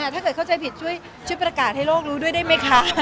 ถ้าเกิดเข้าใจผิดช่วยประกาศให้โลกรู้ด้วยได้ไหมคะ